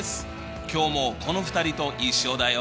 今日もこの２人と一緒だよ。